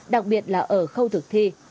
đặc biệt là ở khâu thực thi